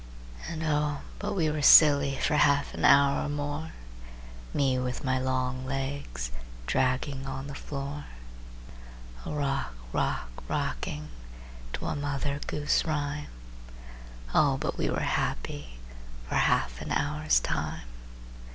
And, oh, but we were silly For half an hour or more, Me with my long legs Dragging on the floor, A rock rock rocking To a mother goose rhyme! Oh, but we were happy For half an hour's time!